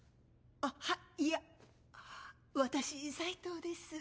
あっはいいや私斉藤です。